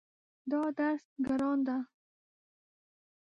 دا درس ګران ده